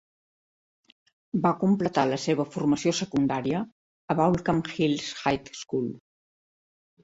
Va completar la seva formació secundària a Baulkham Hills High School.